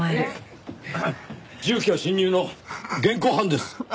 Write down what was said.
住居侵入の現行犯です。